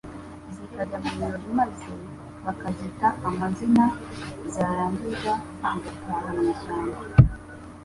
zikajya mu birori maze bakazita amazina zarangiza zigataha mu ishyamba.